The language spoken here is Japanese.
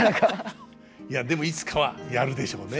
いやでもいつかはやるでしょうね。